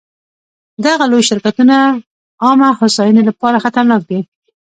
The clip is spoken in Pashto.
دغه لوی شرکتونه عامه هوساینې لپاره خطرناک دي.